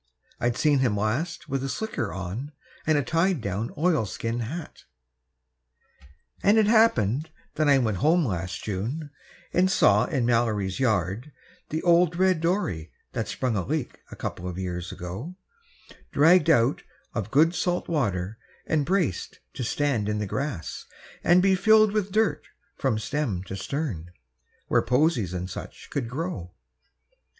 (I'd seen him last with a slicker on and a tied down oilskin hat.) And it happened that I went home last June, and saw in Mallory's yard The old red dory that sprung a leak a couple of years ago, Dragged out of good salt water and braced to stand in the grass And be filled with dirt from stem to stern, where posies and such could grow.